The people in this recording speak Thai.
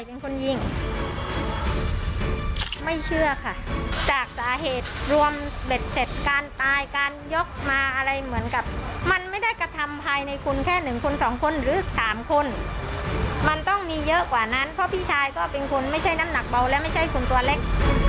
เป็นคนยิงไม่เชื่อค่ะจากสาเหตุรวมเบ็ดเสร็จการตายการยกมาอะไรเหมือนกับมันไม่ได้กระทำภายในคุณแค่หนึ่งคนสองคนหรือสามคนมันต้องมีเยอะกว่านั้นเพราะพี่ชายก็เป็นคนไม่ใช่น้ำหนักเบาและไม่ใช่คนตัวเล็ก